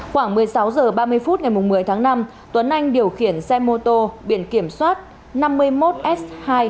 khoảng một mươi sáu h ba mươi phút ngày một mươi tháng năm tuấn anh điều khiển xe mô tô biển kiểm soát năm mươi một s hai một nghìn sáu trăm tám mươi